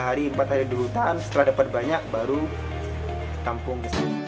mereka tiga hari empat hari di hutan setelah dapat banyak baru tampung